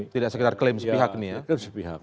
tidak sekedar klaim sepihak nih ya